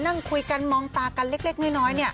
นั่งคุยกันมองตากันเล็กน้อย